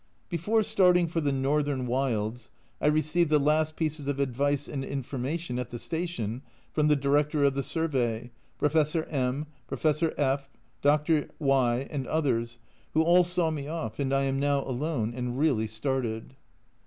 Before starting for the northern wilds I received the last pieces of advice and information at the station from the Director of the Survey, Professor M , Professor F , Dr. Ye , and others, who all saw me off, and I am now alone and really started.